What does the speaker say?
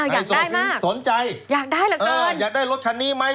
อยากได้มากอยากได้ละกันอยากได้รถคันนี้ไหม